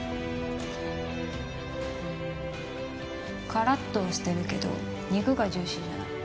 カラッとはしてるけど肉がジューシーじゃない。